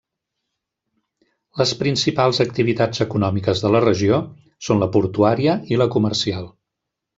Les principals activitats econòmiques de la regió són la portuària i la comercial.